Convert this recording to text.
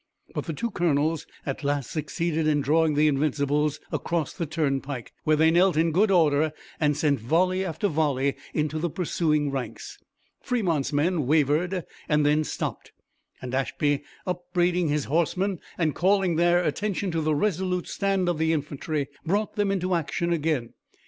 But the two colonels at last succeeded in drawing the Invincibles across the turnpike, where they knelt in good order and sent volley after volley into the pursuing ranks. Fremont's men wavered and then stopped, and Ashby, upbraiding his horsemen and calling their attention to the resolute stand of the infantry, brought them into action again.